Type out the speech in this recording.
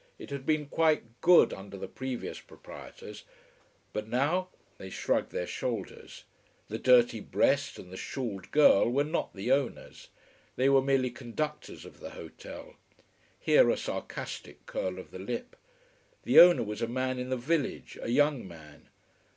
It had been quite good under the previous proprietors. But now they shrugged their shoulders. The dirty breast and the shawled girl were not the owners. They were merely conductors of the hotel: here a sarcastic curl of the lip. The owner was a man in the village a young man.